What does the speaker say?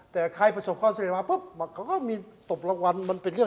แต่ใครประสบความสุดใดมาปุ๊บ